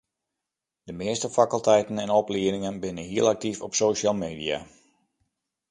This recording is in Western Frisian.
De measte fakulteiten en opliedingen binne hiel aktyf op social media.